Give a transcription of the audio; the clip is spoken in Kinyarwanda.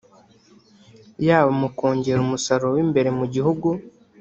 yaba mu kongera umusaruro w’imbere mu gihugu